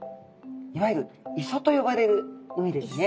いわゆる磯と呼ばれる海ですね。